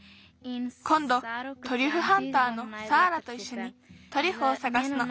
こんどトリュフハンターのサーラといっしょにトリュフをさがすの。